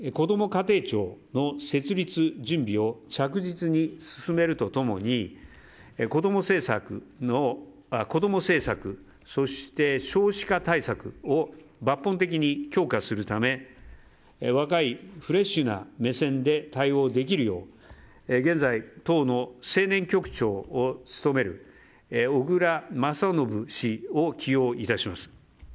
家庭庁の設立準備を着実に進めるとともに子供政策、そして少子化対策を抜本的に強化するため若いフレッシュな目線で対応できるよう現在、党の青年局長を務める小倉将信氏を起用いたします。